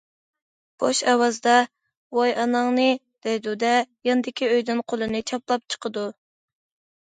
بوش ئاۋازدا:- ۋاي ئاناڭنى دەيدۇ دە ياندىكى ئۆيدىن قولىنى چاپلاپ چىقىدۇ.